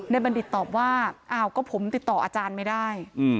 บัณฑิตตอบว่าอ้าวก็ผมติดต่ออาจารย์ไม่ได้